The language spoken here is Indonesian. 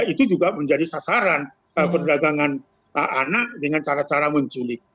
itu juga menjadi sasaran perdagangan anak dengan cara cara menculik